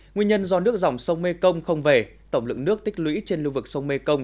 nguyên nhân do nước dòng sông mê công không về tổng lượng nước tích lũy trên lưu vực sông mê công